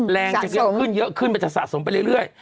แรงจะเยอะขึ้นมันจะสะสมไปเรื่อย